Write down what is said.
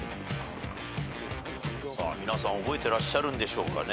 皆さん覚えてらっしゃるんでしょうかね。